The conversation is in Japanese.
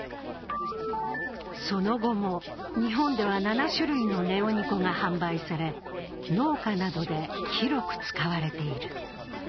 その後も日本では７種類のネオニコが販売され農家などで広く使われている。